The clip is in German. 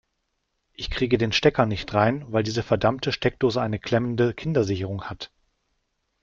Ich kriege den Stecker nicht rein, weil diese verdammte Steckdose eine klemmende Kindersicherung hat.